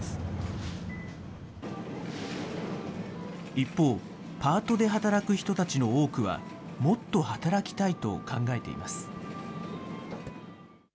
一方、パートで働く人たちの多くは、もっと働きたいと考えています。